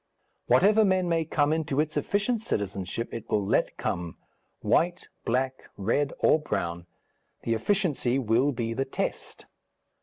Whatever men may come into its efficient citizenship it will let come white, black, red, or brown; the efficiency will be the test.